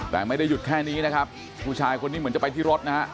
แต่ไม่ได้หยุดแค่นี้นะครับผู้ชายคนนี้เหมือนจะไปที่รถนะฮะ